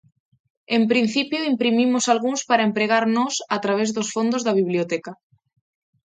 En principio imprimimos algúns para empregar nós a través dos fondos da biblioteca.